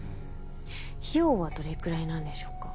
費用はどれくらいなんでしょうか？